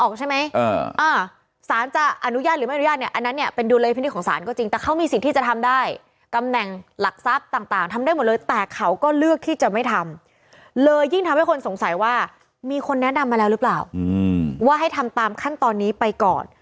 เขาแนะนำมาแล้วหรือเปล่าอืมว่าให้ทำตามขั้นตอนนี้ไปก่อน